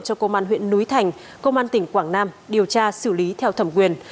cho công an huyện núi thành công an tỉnh quảng nam điều tra xử lý theo thẩm quyền